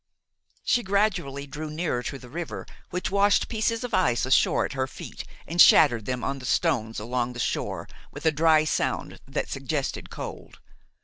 She gradually drew nearer to the river, which washed pieces of ice ashore at her feet and shattered them on the stones along the shore with a dry sound that suggested cold.